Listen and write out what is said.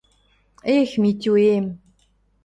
— Эх, Митюэм!